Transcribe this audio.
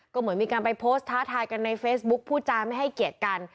ก็เหมือนมีการไปโพสต์ท้าทายกันในเฟซบุ๊คพูดจาไม่ให้เกียรติกัน